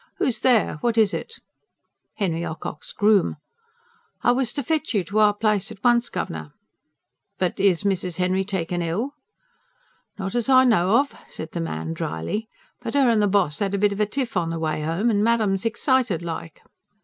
"Who's there? What is it?" Henry Ocock's groom. "I was to fetch you out to our place at once, governor." "But Is Mrs. Henry taken ill?" "Not as I know of," said the man dryly. "But her and the boss had a bit of a tiff on the way home, and Madam's excited like."